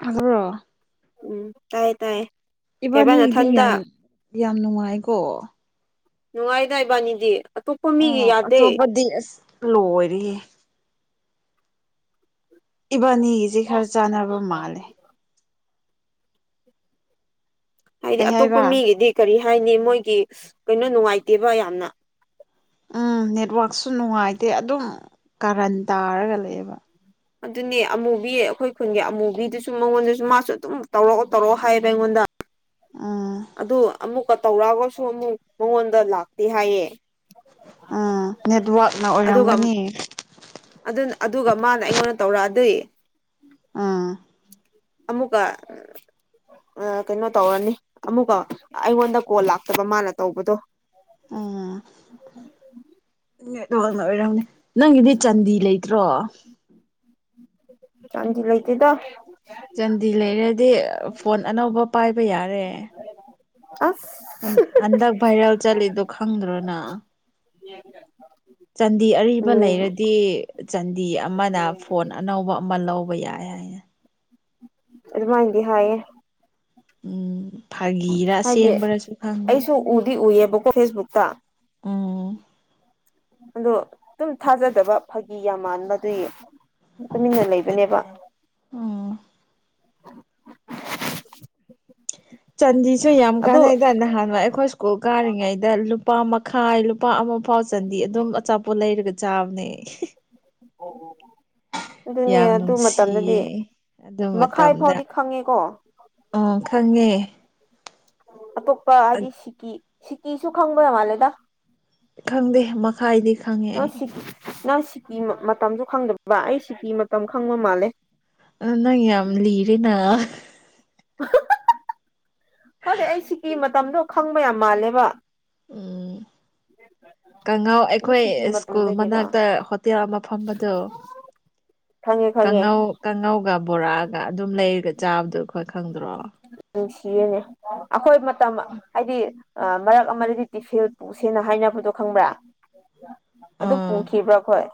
ꯐꯖꯕꯔꯣ ꯎꯝ ꯇꯥꯏꯌꯦ ꯇꯥꯏꯌꯦ ꯀꯩꯕꯥ ꯏꯕꯥꯅꯤꯒꯤꯗꯤ ꯌꯥꯝ ꯅꯊꯟꯗ ꯌꯥꯝ ꯅꯨꯡꯉꯥꯏꯀꯣ ꯅꯨꯡꯉꯥꯏꯗꯥ ꯏꯕꯥꯅꯤꯗꯤ ꯑꯇꯣꯞꯄ ꯃꯤꯒꯤ ꯌꯥꯗꯦ ꯗꯤ ꯑꯁ ꯂꯣꯏꯔꯦꯍꯦ ꯏꯕꯥꯅꯤꯒꯤꯖꯤ ꯈꯔ ꯆꯥꯟꯅꯕ ꯃꯥꯜꯂꯦ ꯍꯥꯏꯗꯤ ꯀꯩ ꯑꯇꯣꯞꯄ ꯍꯥꯏꯕ ꯃꯤꯒꯤꯗꯤ ꯀꯔꯤ ꯍꯥꯏꯅꯤ ꯃꯣꯏꯒꯤ ꯀꯩꯅꯣ ꯅꯨꯡꯉꯥꯏꯇꯦꯕ ꯌꯥꯝꯅ ꯎꯝ ꯅꯦꯠꯋꯥꯛꯁꯨ ꯅꯨꯡꯉꯥꯏꯇꯦ ꯑꯗꯨꯝ ꯀꯔꯟ ꯇꯥꯔꯒ ꯂꯩꯑꯦꯕ ꯑꯗꯨꯅꯤ ꯑꯃꯨꯕꯤ ꯑꯩꯈꯣꯏ ꯈꯨꯟꯒꯤ ꯑꯃꯨꯕꯤꯗꯨꯁꯨ ꯃꯉꯣꯟꯗꯁꯨ ꯃꯥꯁꯨ ꯑꯗꯨꯝ ꯇꯧꯔꯛꯑꯣ ꯇꯧꯔꯛꯑꯣ ꯍꯥꯏꯌꯦꯕ ꯑꯩꯉꯣꯟꯗ ꯎꯝ ꯑꯗꯨ ꯑꯃꯨꯛꯀ ꯇꯧꯔꯛꯑꯒꯁꯨ ꯑꯃꯨꯛ ꯃꯉꯣꯟꯗ ꯂꯥꯛꯇꯦ ꯍꯥꯏꯌꯦ ꯑꯥ ꯅꯦꯠꯋꯥꯛꯅ ꯑꯣꯏꯔꯝꯒꯅꯤ ꯑꯗꯨ ꯑꯗꯨꯒ ꯃꯥꯅ ꯑꯩꯉꯣꯟꯗ ꯇꯧꯔꯛꯑꯗꯣꯏ ꯑꯥ ꯑꯃꯨꯛꯀ ꯑ ꯀꯩꯅꯣ ꯇꯧꯔꯅꯤ ꯑꯃꯨꯛꯀ ꯑꯩꯉꯣꯟꯗ ꯀꯣꯜ ꯂꯥꯛꯇꯕ ꯃꯥꯅ ꯇꯧꯕꯗꯣ ꯑꯝ [unintelligible] ꯅꯦꯠꯋꯥꯛꯅ ꯑꯣꯏꯔꯝꯅꯦ ꯅꯪꯒꯤꯗꯤ ꯆꯥꯟꯗꯤ ꯂꯩꯇ꯭ꯔꯣ ꯆꯥꯟꯗꯤ ꯂꯇꯦꯗ ꯆꯟꯗꯤ ꯂꯩꯔꯗꯤ ꯐꯣꯟ ꯑꯅꯧꯕ ꯄꯥꯏꯕ ꯌꯥꯔꯦ ꯑꯁ ꯍꯟ-ꯍꯟꯗꯛ ꯚꯥꯏꯔꯦꯜ ꯆꯠꯂꯤꯗꯣ ꯈꯪꯗ꯭ꯔꯣ ꯅꯪ [unintelligible] ꯆꯥꯟꯗꯤ ꯑꯔꯤꯕ ꯎꯝ ꯂꯩꯔꯗꯤ ꯆꯥꯟꯗꯤ ꯑꯃꯅ ꯐ ꯐꯣꯟ ꯑꯅꯧꯕ ꯑꯃ ꯂꯧꯕ ꯌꯥꯏ ꯍꯥꯏꯌꯦ ꯑꯗꯨꯃꯥꯏꯟꯗꯤ ꯍꯥꯏꯥꯌꯦ ꯎꯃ ꯐꯥꯒꯤꯔ ꯍꯥꯏꯗꯤ ꯑꯁꯦꯡꯕꯔꯁꯨ ꯈꯪꯗꯦ ꯑꯩꯁꯨ ꯎꯗꯤ ꯎꯏꯌꯦꯕꯀꯣ ꯐꯦꯁꯕꯨꯛꯇ ꯎꯝ ꯑꯗꯣ ꯑꯗꯨꯝ ꯊꯥꯖꯗꯕ ꯐꯥꯒꯤ ꯌꯥꯝ ꯃꯥꯟꯕ ꯑꯗꯨꯏ ꯇꯨꯃꯤꯟꯅ ꯂꯩꯕꯅꯦꯕ ꯑꯗꯨꯅꯦ ꯎꯝ ꯆꯟꯗꯤꯁꯨ ꯌꯥꯝ ꯑꯗꯨ ꯀꯥꯟꯅꯩꯗ ꯅꯍꯥꯟꯋꯥꯏ ꯑꯩꯈꯣꯁ ꯀꯨꯜ ꯀꯥꯔꯤꯉꯩꯗ ꯂꯨꯄꯥ ꯃꯈꯥꯏ ꯂꯨꯄꯥ ꯑꯃ ꯐꯥꯎ ꯆꯟꯗꯤ ꯑꯗꯨꯝ ꯑꯆꯥꯄꯣꯠ ꯂꯩꯔꯒ ꯆꯥꯕꯅꯦ ꯑꯣ ꯑꯣ [unintelligible] ꯑꯗꯨꯅꯦ ꯌꯥꯝ ꯑꯗꯨ ꯃꯇꯝꯗꯗꯤ ꯅꯨꯡꯁꯤꯌꯦ ꯑꯗꯨ ꯃꯈꯥꯏ ꯐꯥꯎꯗꯤ ꯈꯪꯉꯦꯀꯣ ꯑꯥ ꯈꯪꯉꯦ ꯑꯇꯣꯞꯄ ꯍꯥꯏꯗꯤ ꯁꯤꯀꯤ ꯁꯤꯀꯤꯁꯨ ꯈꯪꯕ ꯃꯥꯜꯂꯦꯗ ꯈꯪꯗꯦ ꯃꯈ ꯈꯥꯏꯗꯤ ꯈꯥꯡꯉꯦ ꯅꯪ ꯁꯤ ꯅꯪ ꯁꯤꯀꯤ ꯃꯇꯝꯁꯨ ꯈꯪꯗꯕ ꯑꯩ ꯁꯤꯀꯤ ꯃꯇꯝ ꯈꯪꯕ ꯃꯥꯜꯂꯦ ꯑ ꯅꯪ ꯌꯥꯝ ꯂꯤꯔꯦꯅ ꯑꯍꯥ-ꯍꯥ-ꯍꯥ-ꯍꯥ ꯈꯪꯗꯦ ꯑꯩ ꯁꯤꯀꯤ ꯃꯇꯝꯗꯣ ꯈꯪꯕ ꯌꯥꯝ ꯃꯥꯜꯂꯦꯕ ꯎꯝ ꯀꯍꯥꯎ ꯑꯗꯨ ꯑꯩꯈꯣꯏ ꯁꯤꯀꯤ ꯁ꯭ꯀꯨꯜ ꯃꯇꯝꯗꯒꯤꯔ ꯃꯅꯥꯛꯇ ꯍꯣꯇꯦꯜ ꯑꯃ ꯐꯝꯕꯗꯣ ꯈꯪꯉꯦ ꯈꯪꯉꯦ ꯀꯥꯡꯉꯧ ꯀꯥꯡꯉꯧꯒ ꯕꯣꯔꯥꯒ ꯑꯗꯨꯝ ꯂꯩꯔꯒ ꯆꯥꯕꯗꯣ ꯑꯩꯈꯣꯏ ꯈꯪꯗ꯭ꯔꯣ ꯅꯨꯡꯁꯤꯌꯦꯅꯦ ꯑꯩꯈꯣꯏ ꯃꯇꯝ ꯍꯥꯏꯗꯤ ꯃꯔꯛ ꯑꯥ ꯑꯃꯗꯗꯤ ꯇꯤꯐꯜ ꯄꯨ ꯄꯨꯁꯦꯅ ꯍꯥꯏꯅꯕꯗꯣ ꯈꯪꯕ꯭ꯔꯥ ꯑꯗꯨ ꯎꯝ ꯄꯨꯈꯤꯕ꯭ꯔꯥ ꯑꯈꯣꯏ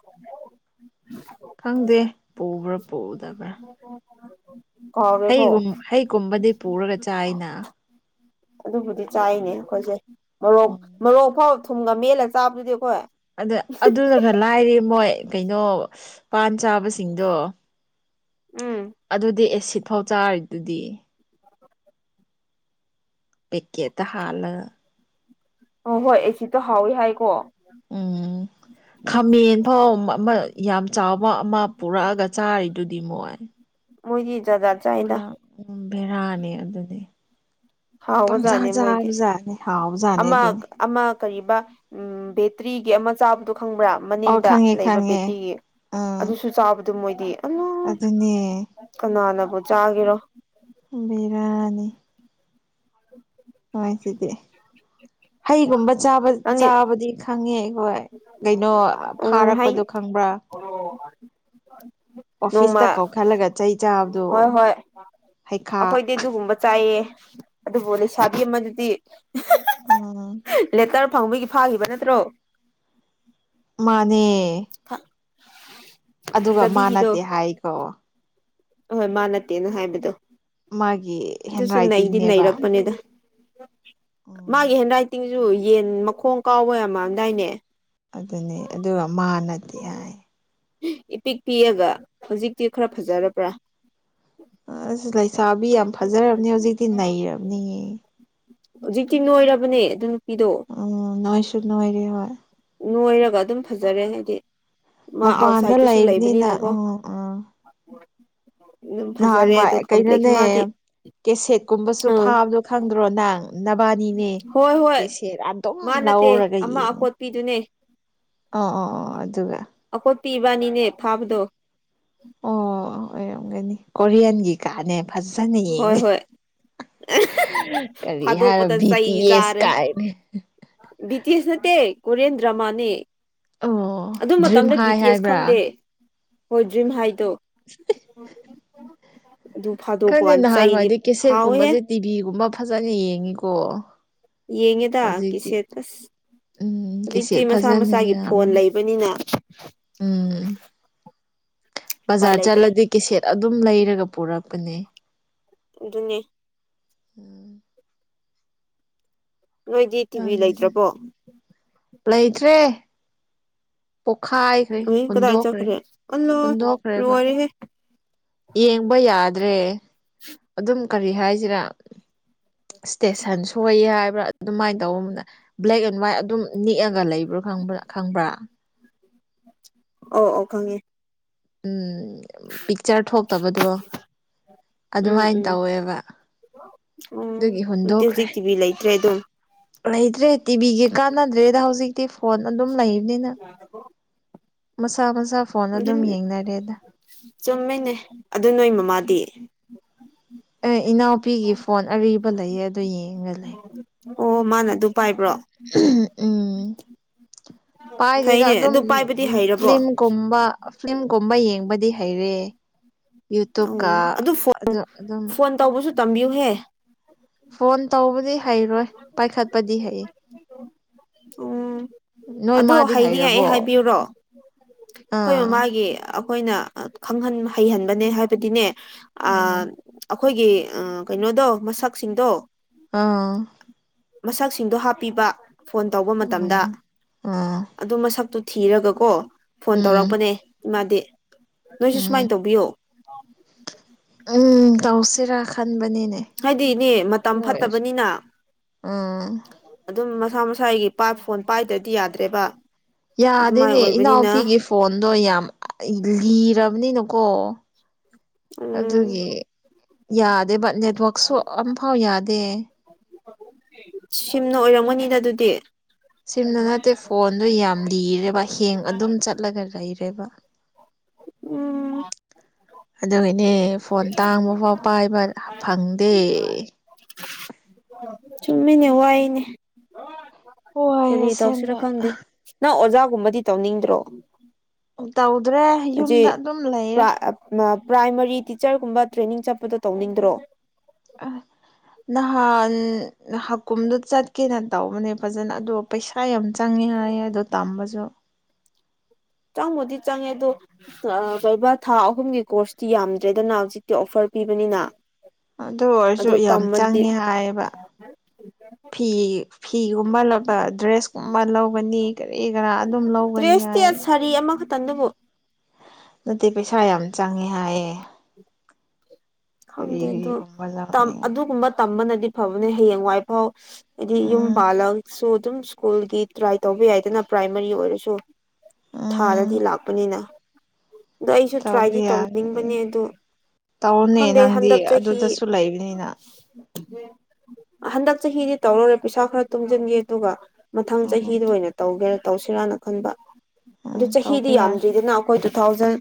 ꯈꯪꯗꯦ ꯄꯨꯕ꯭ꯔꯥ ꯄꯨꯗꯕ꯭ꯔꯥ ꯀꯥꯎꯔꯦꯀꯣ ꯍꯩꯒꯨꯝ ꯍꯩꯒꯨꯝꯕꯗꯤ ꯄꯨꯔꯒ ꯆꯥꯏꯅ ꯑꯗꯨꯕꯨꯗꯤ ꯆꯥꯏꯅꯦ ꯑꯩꯈꯣꯏꯁꯦ ꯃꫭꯔꯣꯛ ꯎꯝ ꯃꫭꯔꯣꯛ ꯐꯥꯎ ꯊꯨꯝꯒ ꯃꯦꯜꯂ ꯆꯥꯕꯗꯨꯗꯤ ꯑꯩꯈꯣꯏ ꯑꯗ ꯑꯗꯨꯅ ꯈꯔ ꯂꯥꯏꯔꯦ ꯃꯣꯏ ꯀꯩꯅꯣ ꯄꯥꯟ ꯆꯥꯕꯁꯤꯡꯗꯣ ꯑꯗꯨꯗꯤ ꯑꯦꯁꯤꯠ ꯐꯥꯎ ꯆꯥꯔꯤꯗꯨꯗꯤ ꯄ‌ꯦꯀꯦꯠꯇ ꯍꯥꯜꯂꯒ ꯑꫭ ꯍꯣꯏ ꯑ‌ꯦꯁꯤꯠꯇꫭ ꯍꯥꯎꯋꯤ ꯍꯥꯏꯀꯣ ꯎꯝ ꯈꯥꯃꯦꯟ ꯐꯥꯎ ꯑꯃ ꯌꯥꯝ ꯆꯥꯎꯕ ꯑꯃ ꯄꯨꯔꯛꯑꯒ ꯆꯥꯔꯤꯗꯨꯗꯤ ꯃꯣꯏ ꯃꯣꯏꯗꯤ ꯆꯥꯛ ꯖꯥꯠ ꯖꯥꯠ ꯆꯥꯏꯗ ꯄꯨꯔꯥ ꯎꯝ ꯚꯦꯔꯥꯅꯤ ꯑꯗꯨꯗꯤ ꯄꯪꯆꯥ ꯍꯥꯎꯕꯖꯥꯠꯅꯦ ꯃꯣꯏꯗꯤ ꯆꯕꯖꯥꯠꯅꯤ ꯍꯥꯎꯖꯥꯠꯅꯤ ꯑꯃ ꯑꯗꯨꯅꯤ ꯑꯃ ꯀꯔꯤꯕ ꯎꯝ ꯕꯦꯇ꯭ꯔꯤꯒꯤ ꯑꯃ ꯆꯥꯕꯗꯣ ꯈꯪꯕ꯭ꯔꯥ ꯑꯣ ꯃꯅꯤꯡꯗ ꯈꯪꯉꯦ ꯂꯩꯕ ꯈꯪꯉꯦ ꯕꯦꯇꯤꯒꯤ ꯑꯥ ꯑꯗꯨꯁꯨ ꯆꯥꯕꯗꯨ ꯃꯣꯏꯗꯤ ꯑꯗꯨꯅꯦ ꯀꯅꯥꯅꯕꯨ ꯆꯥꯒꯤꯔꯣ ꯕꯤꯔꯥꯅꯤ ꯃꯣꯏꯖꯤꯗꯤ ꯍꯩꯒꯨꯝꯕ ꯅꯪꯗꯤ ꯆꯥꯕꯗꯤ ꯈꯪꯉꯦ ꯍꯣꯏ ꯀꯩꯅꯣ ꯎꯝ ꯍꯩ ꯐꯥꯔꯛꯄꯗꯣ ꯈꯪꯕ꯭ꯔꯥ [unintelligible] ꯅꯣꯡꯃ ꯑꯣꯐꯤꯁꯇꯥ ꯀꯧꯈꯠꯂꯒ ꯆꯩ ꯆꯥꯕꯗꯣ ꯍꯣꯏ ꯍꯣꯏ ꯍꯩꯈꯥ ꯑꯩꯈꯣꯏꯗꯤ ꯑꯗꯨꯒꯨꯝꯕ ꯆꯥꯏꯌꯦ ꯑꯗꯨꯕꯨ ꯂꯩꯁꯥꯕꯤ ꯑꯃꯗꯨꯗꯤ ꯎꯝ ꯂꯦꯇꯔ ꯐꯪꯕꯒꯤ ꯐꯥꯈꯤꯕ ꯅꯠꯇ꯭ꯔꯣ ꯃꯥꯅꯦ [inaudible] ꯑꯗꯨꯒ ꯃꯥ ꯅꯠꯇꯦ ꯕꯤꯒꯤꯗꯣ ꯍꯥꯏꯒꯔꯣ ꯑꯍꯣꯏ ꯃꯥ ꯅꯠꯇꯦꯅ ꯍꯥꯏꯕꯗꯣ ꯃꯥꯒꯤ ꯍꯦꯟ ꯑꯗꯨꯁꯨ ꯅꯩꯗꯤ ꯔꯥꯏꯇꯤꯡꯅꯦꯕ ꯅꯩꯔꯛꯄꯅꯤꯗ ꯎꯝ ꯃꯥꯒꯤ ꯍꯦꯟ ꯔꯥꯏꯇꯤꯡꯖꯨ ꯌꯦꯟ ꯃꯈꯣꯡ ꯀꯥꯎꯕ ꯌꯥꯝ ꯃꯥꯟꯗꯥꯏꯅꯦ ꯑꯗꯨꯅꯤ ꯑꯗꯨꯒ ꯃꯥ ꯅꯥꯗꯤ ꯍꯥꯏ ꯏꯄꯤꯛ ꯄꯤꯛꯑꯒ ꯍꯧꯖꯤꯛꯇꯤ ꯈꯔ ꯐꯖꯔꯕ꯭ꯔꯥ ꯑꯁ ꯂꯩꯁꯥꯕꯤ ꯌꯥꯝ ꯐꯖꯔꯕꯅꯤ ꯍꯧꯖꯤꯛꯇꯤ ꯅꯩꯔꯕꯅꯤꯍꯦ ꯍꯧꯖꯤꯛꯇꯤ ꯅꯣꯏꯔꯕꯅꯦ ꯑꯗꯨ ꯅꯨꯄꯤꯗꯣ ꯑꯝ ꯅꯣꯏꯁꯨ ꯅꯣꯏꯔꯤ ꯍꯣꯏ ꯅꯣꯏꯔꯒ ꯑꯗꯨꯝ ꯐꯖꯔꯦ ꯍꯥꯏꯗꯤ ꯃꯥ ꯃꯄꯥꯟꯗ ꯑꯥꯎꯠꯁꯥꯏꯗꯠꯇꯁꯨ ꯂꯩꯕꯅꯤꯅ ꯂꯩꯕꯅꯤꯅꯀꯣ ꯎꯝ ꯎꯝ [unintelligible] ꯐꯖꯔꯦ ꯅꯍꯥꯟꯋꯥ ꯑꯗꯣ ꯀꯝꯄ꯭ꯂꯦꯛꯁ ꯀꯩꯅꯣꯅꯦ ꯃꯥꯗꯤ ꯀꯦꯁꯦꯠꯀꯨꯝꯕꯁꯨ ꯑꯥ ꯐꯥꯕꯗꯣ ꯈꯪꯗ꯭ꯔꯣ ꯅꯪ ꯅꯕꯥꯅꯤꯅꯦ ꯍꯣꯏ ꯍꯣꯏ ꯀꯦꯁꯦꯠ ꯑꯗꯨꯝ ꯃꯥ ꯅꯠꯇꯦ ꯂꯧꯔꯒ ꯑꯃ ꯌꯦꯡꯉꯤ ꯑꯀꯣꯠꯄꯤꯗꯨꯅꯦ ꯑꯣ ꯑꯣ ꯑꯣ ꯑꯗꯨꯒ ꯑꯀꯣꯠꯄꯤ ꯏꯕꯥꯅꯤꯅꯦ ꯐꯥꯕꯗꯣ ꯑꯣ ꯑꯣꯏꯔꯝꯒꯅꯤ ꯀꯣꯔꯤꯌꯥꯟꯒꯤ ꯀꯥꯅꯦ ꯐꯖꯅ ꯍꯣꯏ ꯌꯦꯡꯅꯤ ꯍꯣꯏ ꯀꯔꯤ ꯍꯥꯏꯔ ꯐꯥꯗꯣꯛꯄꯗ ꯕꯤ ꯇꯤ ꯆꯩ ꯑꯦꯁ ꯆꯥꯔꯦ ꯀꯥꯏꯅ ꯕꯤ ꯇꯤ ꯌꯦꯁ ꯅꯠꯇꯦ ꯀꯣꯔ꯭ꯌꯟ ꯗ꯭ꯔꯃꯥꯅꯦ ꯑꯣ ꯑꯗꯨ ꯗ꯭ꯔꯤꯝ ꯃꯇꯝꯗ ꯕꯤ ꯍꯥꯏ ꯇꯤ ꯌꯦꯁ ꯍꯥꯏꯕ꯭ꯔꯥ ꯈꯪꯗꯦ ꯍꯣꯏ ꯗ꯭ꯔꯤꯝ ꯍꯥꯏ ꯗꯣ ꯑꯗꯨ ꯐꯥ ꯈꯪꯗꯦ ꯅꯍꯥꯟꯋꯥꯏꯗꯤ ꯀꯦꯁꯦꯠꯀꯨꯝꯕꯖꯦ ꯇꯤꯚꯤꯒꯨꯝꯕ ꯐꯖꯅ ꯌꯦꯡꯉꯤꯀꯣ ꯌꯦꯡꯉꯦꯗ ꯍꯧꯖꯤꯛꯇꯤ ꯀꯦꯁꯦꯠ ꯑꯁ ꯎꯝ ꯀꯦꯁꯤꯠ ꯍꯧꯖꯤꯛꯇꯤ ꯃꯁꯥ ꯐꯖꯅ ꯃꯁꯥꯒꯤ ꯐꯣꯟ ꯌꯥꯝꯕꯅꯤ ꯂꯩꯕꯅꯤꯅ ꯎꯝ ꯎꯄꯥꯏ ꯕꯖꯥꯔ ꯂꯩꯇ꯭ꯔꯦ ꯆꯠꯂꯗꯤ ꯀꯦꯁꯦꯠ ꯑꯗꯨꯝ ꯂꯩꯔꯒ ꯄꯨꯔꯛꯄꯅꯦ ꯑꯗꯨꯅꯦ ꯎꯝ ꯅꯣꯏꯗꯤ ꯇꯤꯚꯤ ꯈꯪꯗꯦꯗ ꯂꯩꯇ꯭ꯔꯕꯣ ꯂꯩꯇ꯭ꯔꯦ ꯄꯣꯛꯈꯥꯏꯈ꯭ꯔꯦ ꯎꯏ ꯀꯗꯥꯏ ꯍꯨꯟꯗꯣꯛꯈ꯭ꯔꯦ ꯆꯠꯈ꯭ꯔꯦ ꯑꯜꯂꯣ ꯍꯨꯟꯗꯣꯛꯈ꯭ꯔꯦꯕ ꯂꯣꯏꯔꯦꯍꯦ ꯌꯦꯡꯕ ꯌꯥꯗ꯭ꯔꯦ ꯑꯗꯨꯝ ꯀꯔꯤ ꯍꯥꯏꯖꯤꯔꯥ ꯏꯁꯇꯦꯁꯟ ꯁꯣꯏꯌꯦ ꯍꯥꯏꯕ꯭ꯔꯥ ꯑꯗꯨꯃꯥꯏꯅ ꯇꯧꯕ ꯑꯃꯅ ꯕ꯭ꯂꯦꯛ ꯑꯦꯟ ꯍ꯭ꯋꯥꯏꯠ ꯑꯗꯨꯝ ꯅꯤꯛꯑꯒ ꯂꯩꯕ꯭ꯔꯥꯕ ꯈꯪꯕ꯭ꯔꯥ ꯑꯣ ꯑꯣ ꯈꯪꯉꯦ ꯎꯝ ꯄꯤꯛꯆꯔ ꯊꯣꯛꯇꯕꯗꯣ ꯎꯝ ꯑꯗꯨꯃꯥꯏꯅ ꯎꯝ ꯇꯧꯋꯦꯕ ꯎꯝ ꯑꯗꯨꯒꯤ ꯑꯗꯨꯗꯤ ꯍꯨꯟꯗꯣꯛꯈ꯭ꯔꯦ ꯍꯧꯖꯤꯛ ꯇꯤꯚꯤ ꯂꯩꯇ꯭ꯔꯦ ꯑꯗꯨꯝ ꯂꯩꯇ꯭ꯔꯦ ꯇꯤꯚꯤꯒꯤ ꯀꯥꯟꯅꯗ꯭ꯔꯦꯗ ꯍꯧꯖꯤꯛꯇꯤ ꯐꯣꯟ ꯑꯗꯨꯝ ꯂꯩꯕꯅꯤꯅ ꯃꯁꯥ ꯃꯁꯥ ꯐꯣꯟ ꯑꯗꯨꯝ ꯌꯦꯡꯅꯔꯦꯗ ꯆꯨꯝꯃꯦꯅꯦ ꯑꯗꯨ ꯅꯣꯏ ꯃꯃꯥꯗꯤ ꯑꯦ ꯏꯅꯥꯎꯄꯤꯒꯤ ꯐꯣꯟ ꯑꯔꯤꯕ ꯂꯩꯌꯦ ꯑꯗꯨ ꯌꯦꯡꯒ ꯂꯩ ꯑꯣ ꯃꯥꯅ ꯑꯗꯨ ꯄꯥꯏꯕ꯭ꯔꯣ ꯎꯝ ꯄꯥꯏꯗ‌ꯦꯗ ꯐꯩꯅꯦ ꯑꯗꯨꯝ ꯑꯗꯨ ꯄꯥꯏꯕꯗꯤ ꯍꯩꯔꯕꯣ ꯐꯤꯂꯝꯒꯨꯝꯕ ꯐꯤꯂꯝꯒꯨꯝꯕ ꯌꯦꯡꯕꯗꯤ ꯍꯩꯔꯦ ꯑꯣ ꯌꯨꯇꯨꯕꯀ ꯐꯣꯟ ꯑꯗꯨ ꯑꯗꯨꯝ ꯐꯣꯟ ꯇꯧꯕꯁꯨ ꯇꯝꯕꯤꯌꯨꯍꯦ ꯐꯣꯟ ꯇꯧꯕꯗꯤ ꯍꯩꯔꯣꯏ ꯄꯥꯏꯈꯠꯄꯗꯤ ꯍꯩ ꯎꯝ ꯅꯣꯏ ꯑꯗꯣ ꯃꯥꯗꯤ ꯍꯥꯏꯔꯕꯣ ꯈ‌‌ꯣꯏ ꯃꯃꯥꯒꯤ ꯑꯩꯈꯣꯏꯅ ꯈꯪꯍꯟ ꯍꯩꯍꯟꯕꯅꯦ ꯍꯥꯏꯕꯗꯤꯅꯦ ꯑ ꯎꯝ ꯑꯩꯈꯣꯏꯒꯤ ꯑ ꯀꯩꯅꯣꯗꯣ ꯃꯁꯛꯁꯤꯡꯗꯣ ꯑꯥ ꯃꯁꯛꯁꯤꯡꯗꯣ ꯍꯥꯞꯄꯤꯕ ꯐꯣꯟ ꯇꯧꯕ ꯎꯝ ꯃꯇꯝꯗ ꯎꯝ ꯑꯗꯨ ꯃꯁꯛꯇꯨ ꯊꯤꯔꯒꯀꯣ ꯐꯣꯟ ꯎꯝ ꯇꯧꯔꯛꯄꯅꯦ ꯏꯃꯥꯗꯤ ꯅꯣꯏꯁꯨ ꯎꯝ ꯁꯨꯃꯥꯏꯟ ꯇꯧꯕꯤꯌꯣ ꯎꯝ ꯇꯧꯁꯤꯔꯥ ꯈꯟꯕꯅꯤꯅꯦ ꯍꯥꯏꯗꯤ ꯗꯤ ꯃꯇꯝ ꯑꯗꯨ ꯑꯣꯏꯔꯁꯨ ꯐꯠꯇꯕꯅꯤꯅ ꯎꯝ ꯑꯗꯨꯝ ꯃꯁꯥ ꯃꯁꯥꯒꯤ ꯄꯥ ꯐꯣꯟ ꯄꯥꯏꯗ꯭ꯔꯗꯤ ꯌꯥꯗ꯭ꯔꯦꯕ ꯑꯗꯨꯃꯥꯏ ꯌꯥꯗꯦꯅꯦ ꯑꯣꯏꯕꯅꯤꯅ ꯏꯅꯥꯎꯄꯤꯒꯤ ꯐꯣꯟꯗꯣ ꯌꯥꯝ ꯂꯤꯔꯕ ꯅꯤꯅꯀꯣ ꯎꯝ ꯑꯗꯨꯒꯤ ꯌꯥꯗꯦꯕ ꯅꯦꯠꯋꯛꯁꯨ ꯑꯝꯐꯥꯎ ꯌꯥꯗꯦ ꯁꯤꯝꯅ ꯑꯣꯏꯔꯝꯒꯅꯤꯅ ꯑꯗꯨꯗꯤ ꯁꯤꯝꯅ ꯅꯠꯇꯦ ꯐꯣꯟꯗꯣ ꯌꯥꯝ ꯂꯤꯔꯦꯕ ꯍꯦꯡ ꯑꯗꯨꯝ ꯆꯠꯂꯒ ꯂꯩꯔꯦꯕ ꯎꯝ ꯑꯗꯣ ꯅꯦ ꯐꯣꯟ ꯇꯥꯡꯕꯐꯥꯎ ꯄꯥꯏꯕ ꯐꯪꯗꯦ ꯆꯨꯝꯃꯤꯅꯦ ꯋꯥꯏꯅꯦ ꯍꯣꯏ ꯀꯔꯤ ꯇꯧꯁꯤꯔ ꯑꯁꯦꯡꯕ ꯈꯪꯗꯦ ꯅꯪ ꯑꯣꯖꯥꯒꯨꯝꯕꯗꯤ ꯇꯧꯅꯤꯡꯗ꯭ꯔꯣ ꯇꯧꯗ꯭ꯔꯦ ꯌꯨꯝꯗ ꯑꯗꯨꯝ ꯂꯩꯔꯦ ꯄ꯭ꯔꯥꯏꯃꯔꯤ ꯇꯤꯆꯔꯒꯨꯝꯕ ꯇ꯭ꯔꯦꯅꯤꯡ ꯆꯠꯄꯗꯣ ꯇꯧꯅꯤꯡꯗ꯭ꯔꯣ ꯑ ꯅꯍꯥꯟ ꯍꯀꯨꯝꯗꯣ ꯆꯠꯀꯦꯅ ꯇꯧꯕꯅꯦ ꯐꯖꯅ ꯑꯗꯣ ꯄꯩꯁꯥ ꯌꯥꯝ ꯆꯪꯉꯦ ꯍꯥꯏꯌꯦ ꯑꯗꯣ ꯇꯝꯕꯖꯨ ꯆꯪꯕꯨꯗꯤ ꯆꯪꯉꯦ ꯑꯗꯣ ꯀꯩꯕ ꯊꯥ ꯑꯍꯨꯝꯒꯤ ꯀꯣꯔꯁꯇꯤ ꯌꯥꯝꯗ꯭ꯔꯦꯗꯅ ꯍꯧꯖꯤꯛꯇꯤ ꯑꯣꯐꯔ ꯄꯤꯕꯅꯤꯅ ꯑꯗꯨ ꯑꯣꯏꯔꯁꯨ ꯑꯗꯨ ꯌꯥꯝ ꯇꯝꯃꯗꯤ ꯆꯪꯉꯦ ꯍꯥꯏꯌꯦꯕ ꯐꯤ ꯐꯤꯒꯨꯝꯕ ꯂꯩꯕ ꯗ꯭ꯔꯦꯁ ꯀꯨꯝꯕ ꯂꯧꯒꯅꯤ ꯀꯔꯤ ꯀꯔꯥ ꯑꯗꯨꯝ ꯂꯧꯒꯅꯤ ꯍꯥꯏ ꯀꯔꯤ ꯑꯃꯈꯛꯇꯪꯗꯨꯕꯣ ꯅꯠꯇꯦ ꯄꯩꯁꯥ ꯌꯥꯝ ꯆꯪꯉꯦ ꯍꯥꯏꯌꯦ ꯀꯔꯤ ꯈꯪꯗꯦ ꯑꯗꯨ ꯀꯔꯤꯒꯨꯝꯕ ꯇꯝ ꯂꯧꯅꯤꯡ ꯑꯗꯨꯒꯨꯝꯕ ꯇꯝꯕꯅꯗꯤ ꯐꯕꯅꯦ ꯍꯌꯦꯡꯋꯥꯏꯐꯥꯎ ꯍꯥꯏꯗꯤ ꯌꯨꯝ ꯎꯝ ꯄꯥꯜꯂꯒꯁꯨ ꯑꯗꯨꯝ ꯀꯨꯜꯒꯤ ꯇ꯭ꯔꯥꯏ ꯇꯧꯕ ꯌꯥꯏꯗꯅ ꯄ꯭ꯔꯥꯏꯃꯔꯤ ꯑꯣꯏꯔꯁꯨ ꯊꯥꯗꯗꯤ ꯎꯝ ꯂꯥꯛꯄꯅꯤꯅ ꯑꯗ ꯑꯩꯁꯨ ꯇꯧꯕ ꯇ꯭ꯔꯥꯏꯗꯤ ꯌꯥꯅꯤ ꯇꯧꯅꯤꯡꯕꯅꯦ ꯎꯝ ꯑꯗꯨ ꯇꯧꯅꯦ ꯈꯪꯗꯦ ꯅꯪꯗꯤ ꯍꯟꯗꯛ ꯆꯍꯤ ꯑꯗꯨꯗꯁꯨ ꯂꯩꯕꯅꯤꯅ ꯍꯟꯗꯛ ꯆꯍꯤꯗꯤ ꯇꯧꯔꯔ‌ꯣꯏ ꯄꯩꯁꯥ ꯈꯔ ꯇꯨꯡꯖꯟꯒꯦ ꯑꯗꯨꯒ ꯃꯊꯪ ꯎꯝ ꯆꯍꯤꯗ ꯑꯣꯏꯅ ꯇꯧꯒꯦꯔꯥ ꯇꯧꯁꯤꯔꯥꯅ ꯈꯟꯕ ꯑꯗꯨ ꯎꯝ ꯆꯍꯤꯗꯤ ꯇꯧꯕ ꯌꯥꯏ ꯌꯥꯝꯗ꯭ꯔꯤꯗꯅ ꯑꯩꯈꯣꯏ ꯇꯨ ꯊꯥꯎꯖꯟ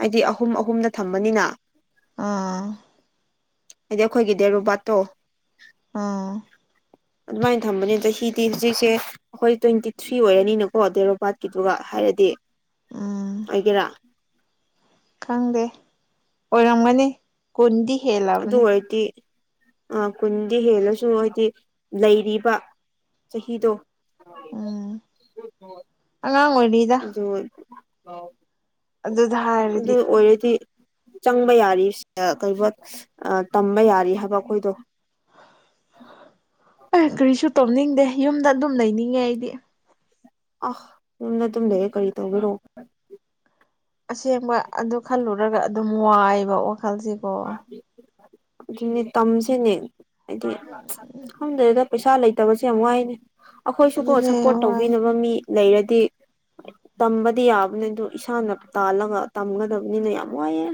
ꯍꯥꯏꯗꯤ ꯑꯍꯨꯝ ꯑꯍꯨꯝꯗ ꯊꯝꯕꯅꯤꯅ ꯑꯥ ꯍꯥꯏꯗꯤ ꯑꯩꯈꯣꯏꯒꯤ ꯗꯦꯔꯨꯕꯥꯠꯇꯣ ꯑꯥ ꯑꯗꯨꯃꯥꯏꯅ ꯊꯝꯕꯅꯦ ꯆꯍꯤꯗꯤ ꯍꯧꯖꯤꯛꯁꯦ ꯑꯩꯈꯣꯏ ꯇ꯭ꯋꯦꯟꯇꯤ ꯊ꯭ꯔꯤ ꯑꯣꯏꯔꯅꯤꯅꯀꯣ ꯗꯦꯠ ꯑꯣꯐ ꯕꯥꯔꯠꯀꯤꯗꯨꯒ ꯍꯥꯏꯔꯗꯤ ꯎꯝ ꯑꯣꯏꯒꯦꯔꯥ ꯈꯪꯗꯦ ꯑꯣꯏꯔꯝꯒꯅꯤ ꯀꯨꯟꯗꯤ ꯍꯦꯜ ꯑꯗꯨ ꯑꯣꯏꯔꯗꯤ ꯑ ꯀꯨꯟꯗꯤ ꯍꯦꯜꯂꯁꯨ ꯍꯥꯏꯗꯤ ꯂꯩꯔꯤꯕ ꯆꯍꯤꯗꯣ ꯎꯝ ꯑꯉꯥꯡ ꯑꯣꯏꯔꯤꯗ [unintelligible] ꯑꯗꯨꯗ ꯑꯗꯨ ꯍꯥꯏꯔꯗꯤ ꯑꯣꯏꯔꯗꯤ ꯆꯪꯕ ꯌꯥꯔꯤ ꯀꯔꯤ ꯑ ꯇꯝꯕ ꯌꯥꯔꯤ ꯍꯥꯏꯕ ꯑꯩꯈꯣꯏꯗꯣ ꯑꯦ ꯀꯔꯤꯁꯨ ꯇꯣꯝꯅꯤꯡꯗꯦ ꯌꯨꯝꯗ ꯑꯗꯨꯝ ꯂꯩꯅꯤꯡꯉꯦ ꯑꯩꯗꯤ ꯑ ꯌꯨꯝꯗ ꯑꯗꯨꯨꯝ ꯂꯩꯌꯦ ꯀꯔꯤ ꯇꯧꯕꯤꯔꯣ ꯑꯁꯦꯡꯕ ꯑꯗꯨ ꯈꯜꯂꯨꯔꯒ ꯑꯗꯨꯝ ꯋꯥꯏꯑꯕ ꯋꯥꯈꯜꯁꯦ ꯑꯗꯨꯅꯦ ꯇꯝꯁꯤꯅꯦ ꯍꯥꯏꯗꯤ ꯈꯪꯗ꯭ꯔꯒ ꯄꯩꯁꯥ ꯂꯩꯇꯕꯁꯦ ꯌꯥꯝ ꯋꯥꯏꯅꯦ ꯑꯩꯈꯣꯏꯁꯨꯀꯣ ꯑꯗꯨꯅꯦ ꯁꯞꯄꯣꯔꯠ ꯋꯥꯏ ꯇꯧꯕꯤꯅꯕ ꯃꯤ ꯂꯩꯔꯗꯤ ꯇꯝꯕꯗꯤ ꯌꯥꯕꯅꯤ ꯑꯗꯨ ꯏꯁꯥꯅ ꯇꯥꯜꯂꯒ ꯇꯝꯒꯗꯕꯅꯤꯅ ꯌꯥꯝ ꯋꯥꯏꯑꯦ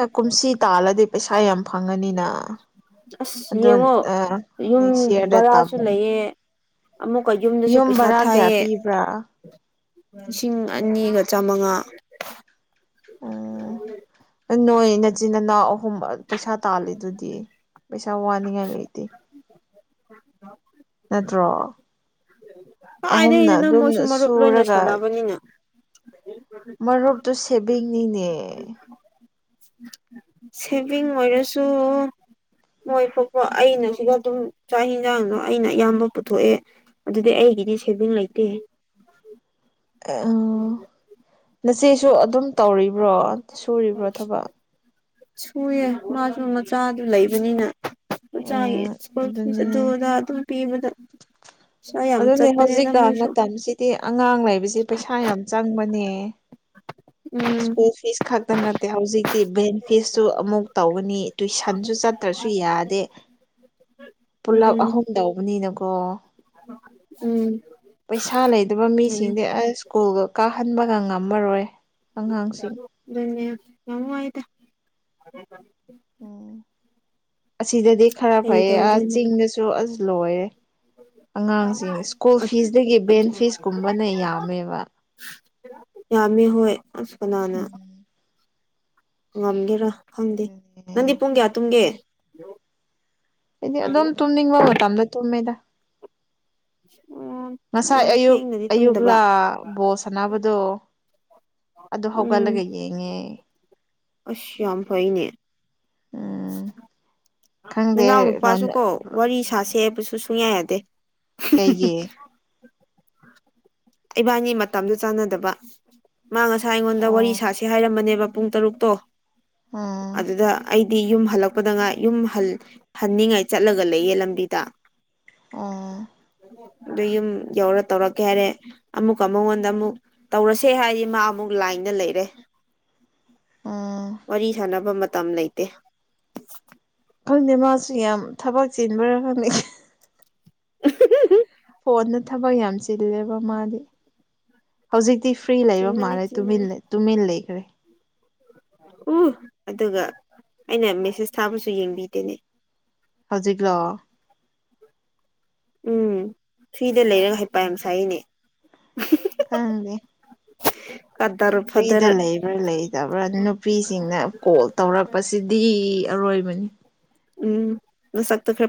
ꯑꯦ ꯀꯨꯝꯁꯤ ꯇꯥꯜꯂꯗꯤ ꯄꯩꯁꯥ ꯌꯥꯝ ꯐꯪꯉꯅꯤꯅ ꯑꯁ ꯑꯗꯨꯗꯣ ꯌꯦꯡꯉꯣ ꯑ ꯌꯨꯝ ꯅꯦꯛꯁ ꯏꯌꯔꯗ ꯚꯔꯥꯁꯨ ꯇꯃ ꯂꯩꯌꯦ ꯑꯃꯨꯛꯀ ꯌꯨꯝꯗꯁꯨ ꯄꯩꯁꯥ ꯕꯔꯥ ꯀꯌꯥ ꯊꯥꯏꯌꯦ ꯄꯤꯕ꯭ꯔꯥ ꯂꯤꯁꯤꯡ ꯑꯅꯤꯒ ꯆꯥꯃꯉꯥ ꯎꯝ ꯅꯣꯏ ꯅꯆꯤꯟ ꯏꯅꯥꯎ ꯑꯍꯨꯝ ꯄꯩꯁꯥ ꯇꯥꯜꯂꯤ ꯑꯗꯨꯗꯤ ꯄꯩꯁꯥ ꯋꯥꯅꯤꯡꯉꯥꯏ ꯂꯩꯇꯦ ꯅꯠꯇ꯭ꯔꯣ ꯑꯍꯨꯝꯅ ꯀꯥꯏꯗꯩꯅꯣꯗ ꯑꯗꯨꯝ ꯃꯣꯏꯁꯨ ꯃꯔꯨꯞ ꯂꯣꯏꯅ ꯁꯨꯔꯒ ꯁꯥꯟꯅꯕꯅꯤꯅ ꯃꯔꯨꯞꯇꯨ ꯁꯦꯚꯤꯡꯅꯤꯅꯦ ꯁꯦꯚꯤꯡ ꯑꯣꯏꯔꯁꯨ ꯃꯣꯏ ꯊꯣꯛꯄ ꯑꯩꯅ ꯁꯤꯗ ꯑꯗꯨꯝ ꯆꯥꯛ ꯌꯦꯟꯁꯥꯡꯗꯣ ꯑꯩꯅ ꯑꯌꯥꯝꯕ ꯄꯨꯊꯣꯛꯑꯦ ꯑꯗꯨꯗꯤ ꯑꯩꯒꯤꯗꯤ ꯁꯦꯚꯡ ꯂꯩꯇꯦ ꯅꯆꯁꯨ ꯑꯗꯨꯝ ꯇꯧꯔꯤꯕ꯭ꯔꯣ ꯁꯨꯔꯤꯕ꯭ꯔꯣ ꯊꯕꯛ ꯁꯨꯑ ꯃꯥꯁꯨ ꯃꯆꯥꯗꯨ ꯂꯩꯕꯅꯤꯅ ꯎꯝ ꯃꯆꯥꯒꯤꯜ ꯑꯗꯨ ꯑꯗꯨꯅꯦ ꯑꯗꯨꯝ ꯄꯤꯕ ꯑꯗꯨꯅꯦ ꯍꯧꯖꯤꯛꯀ ꯃꯣꯏꯁꯨ ꯃꯇꯝꯁꯤꯗꯤ ꯑꯉꯥꯡ ꯂꯩꯕꯁꯤ ꯄꯩꯁꯥ ꯌꯥꯝ ꯆꯪꯕꯅꯦ ꯎꯝ ꯁꯀꯨꯜ ꯐꯤꯁ ꯈꯛꯇ ꯅꯠꯇꯦ ꯍꯧꯖꯤꯛꯇꯤ ꯕꯦꯟ ꯐꯤꯁꯁꯨ ꯑꯃꯨꯛ ꯇꯧꯒꯅꯤ ꯇꯨꯏꯁꯟꯁꯨ ꯆꯠꯇ꯭ꯔꯁꯨ ꯌꯥꯗꯦ [inaudible] [unintelligible] ꯄꯨꯂꯞ ꯑꯍꯨꯝ ꯇꯧꯕꯅꯤꯅꯀꯣ ꯎꯝ ꯄꯩꯁꯥ ꯂꯩꯗꯕ ꯃꯤꯁꯤꯡꯗꯤ ꯑꯁ ꯁ꯭ꯀꯨꯜꯒ ꯀꯥꯍꯟꯕꯒ ꯉꯝꯃꯔꯣꯏ ꯑꯉꯥꯡꯁꯤꯡ ꯑꯗꯨ ꯅ ꯌꯥꯝ ꯋꯥꯏꯗ [unintelligible] ꯎꯝ ꯑꯁꯤꯗꯗꯤ ꯈꯔ ꯀꯩ ꯐꯩꯌꯦ ꯑ ꯇꯧꯗꯣꯏꯅꯣ ꯆꯤꯡꯗꯁꯨ ꯑꯁ ꯂꯣꯏꯔꯦ ꯑꯉꯥꯡꯁꯤꯡ ꯁ꯭ꯀꯨꯜ ꯐꯤꯁꯗꯒꯤ ꯕꯦꯟ ꯐꯤꯁꯀꯨꯝꯕꯅ ꯌꯥꯝꯃꯦꯕ ꯌꯥꯝꯃꯦ ꯍꯣꯏ ꯑꯁ ꯀꯅꯥꯅ ꯎꯝ ꯉꯝꯒꯦꯔꯥ ꯈꯪꯗꯦ ꯑꯗꯨꯅꯦ ꯅꯪꯗꯤ ꯄꯨꯡ ꯀꯌꯥ ꯇꯨꯡꯒꯦ ꯍꯥꯏꯗꯤ ꯑꯗꯨꯝ ꯇꯨꯝꯅꯤꯡꯕ ꯃꯇꯝꯗ ꯇꯨꯝꯃꯦꯗ ꯑꫭ ꯉꯁꯥꯏ ꯑꯌꯨꯛ ꯑꯌꯨꯛꯂꯥ ꯕꯣꯁ ꯑꯅꯥꯕꯗꯣ ꯑꯗꯨ ꯎꯝ ꯍꯧꯒꯠꯂꯒ ꯌꯦꯡꯉꯦ ꯑꯁ ꯌꯥꯝ ꯐꯩꯅꯦ ꯎꯝ ꯈꯪꯗꯦ ꯅꯅꯥꯎ ꯔꯣꯟ ꯅꯨꯄꯥꯁꯨ ꯀꯣ ꯋꯥꯔꯤ ꯁꯥꯁꯦꯕꯁꯨ ꯁꯨꯡꯌꯥꯏꯗ ꯀꯩꯒꯤ [unintelligible] ꯏꯕꯥꯅꯤ ꯃꯇꯝꯗꯨ ꯆꯥꯟꯅꯗꯕ ꯃꯥ ꯉꯁꯥꯏ ꯑꯩꯉꯣꯟꯗ ꯋꯥꯔꯤ ꯑꯣ ꯁꯥꯁꯤ ꯍꯥꯏꯔꯝꯕꯅꯦꯕ ꯄꯨꯡ ꯇꯔꯨꯛꯇꯣ ꯎꯝ ꯑꯗꯨꯗ ꯑꯩꯗꯤ ꯌꯨꯝ ꯍꯜꯂꯛꯄꯗ ꯉꯥꯏ ꯌꯨꯝ ꯍ ꯍꯟꯅꯤꯡꯉꯥꯏ ꯆꯠꯂꯒ ꯂꯩꯌꯦ ꯂꯝꯕꯤꯗ ꯑꫭ ꯑꯗꯨ ꯌꯨꯝ ꯌꯧꯔ ꯇꯧꯔꯛꯀꯦ ꯍꯥꯏꯔꯦ ꯑꯃꯨꯛ ꯑꯃ ꯃꯉꯣꯟꯗ ꯑꯃꯨꯛ ꯇꯧꯔꯁꯦ ꯍꯥꯏꯗꯤ ꯃꯥ ꯑꯃꯨꯛ ꯂꯥꯏꯅ ꯂꯩꯔꯦ ꯎꯝ ꯋꯥꯔꯤ ꯁꯥꯟꯅꯕ ꯃꯇꯝ ꯂꯩꯇꯦ ꯈꯪꯗꯦ ꯃꯥꯁꯨ ꯌꯥꯝ ꯊꯕꯛ ꯆꯦꯟꯕꯔꯥ ꯈꯪꯗꯦ [unintelligible] ꯐꯣꯟꯗ ꯊꯕꯛ ꯌꯥꯝ ꯆꯤꯜꯂꯦꯕ ꯃꯥꯗꯤ ꯍꯧꯖꯤꯛꯇꯤ ꯐ꯭ꯔꯤ ꯂꯩꯕ ꯆꯤꯟꯕꯅꯤ ꯃꯥꯜꯂꯦ ꯇꯃꯤꯟ ꯆꯤꯟꯕꯅꯤ ꯇꯨꯃꯤꯟ ꯂꯩꯈ꯭ꯔꯦ ꯎ ꯑꯗꯨꯒ ꯑꯩꯅ ꯃꯦꯁꯦꯁ ꯊꯥꯕꯁꯨ ꯌꯦꯡꯕꯤꯗꯅꯦ ꯍꯧꯖꯤꯛꯂꯣ ꯎꯝ ꯐ꯭ꯔꯤꯗ ꯂꯩꯔꯒ ꯍꯥꯏꯄꯥ ꯌꯥꯝ ꯁꯥꯏꯅꯦ ꯑꯪ [unintelligible] ꯐ꯭ꯔꯤꯗ ꯐꯗꯔ ꯂꯩꯕ꯭ꯔꯥ ꯂꯩꯇꯕ꯭ꯔꯥ ꯅꯨꯄꯤꯁꯤꯡꯅ ꯀꯣꯜ ꯇꯧꯔꯛꯄꯁꯤꯗꯤ ꯑꯔꯣꯏꯕꯅꯤ ꯎꯝ ꯅꯁꯛꯇꯣ ꯈ